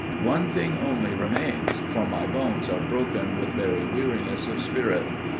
One thing only remains, for my bones are broken with very weariness of spirit.